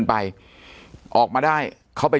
ปากกับภาคภูมิ